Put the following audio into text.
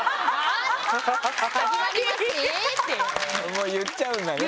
もう言っちゃうんだね